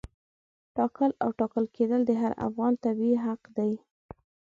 ټاکل او ټاکل کېدل د هر افغان تبعه حق دی.